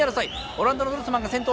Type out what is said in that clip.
オランダのドルスマンが先頭。